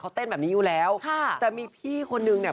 เขาเต้นแบบนี้อยู่แล้วค่ะแต่มีพี่คนนึงเนี่ย